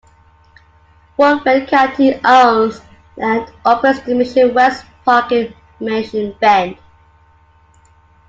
Fort Bend County owns and operates the Mission West Park in Mission Bend.